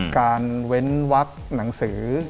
เว้นวักหนังสือ